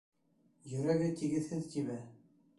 — Йөрәге тигеҙһеҙ тибә...